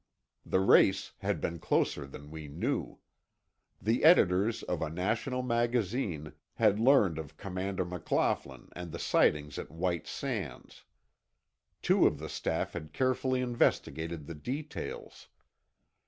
The race had been closer than we knew. The editors of a national magazine had learned of Commander McLaughlin and the sightings at White Sands. Two of the staff had carefully investigated the details.